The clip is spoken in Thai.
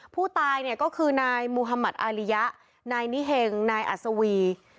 ผู้ตายเนี่ยก็คือนายมุธมัติอาริยะนายนิเฮงนายอัศวี